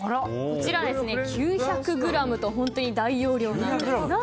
こちらは９００ｇと本当に大容量なんです。